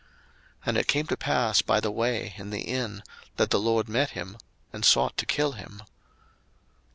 02:004:024 And it came to pass by the way in the inn, that the LORD met him, and sought to kill him.